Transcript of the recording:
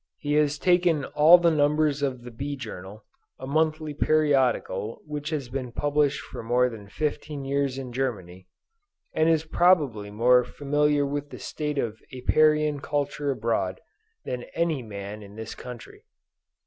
He has taken all the numbers of the Bee Journal, a monthly periodical which has been published for more than fifteen years in Germany, and is probably more familiar with the state of Apiarian culture abroad, than any man in this country.